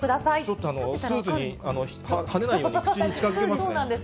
ちょっとあの、スーツにはねないように、口に近づけますね。